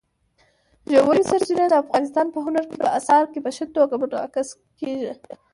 ژورې سرچینې د افغانستان په هنر په اثار کې په ښه توګه منعکس کېږي.